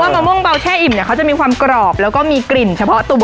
ผมลองกับชมพู่